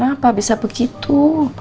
aduh kenapa bisa begitu